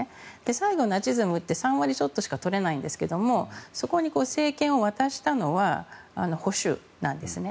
最後、ナチズムって３割ちょっとしか取れないんですがそこに政権を渡したのは保守なんですね。